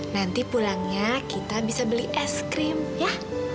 nanti pulangnya kita bisa beli es krim ya